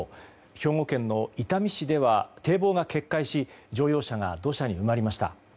兵庫県の伊丹市では堤防が決壊し乗用車が土砂に埋まりました。